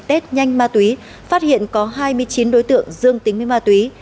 test nhanh ma túy phát hiện có hai mươi chín đối tượng dương tính với ma túy